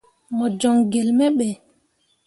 Mo joŋ gelle me ɓe.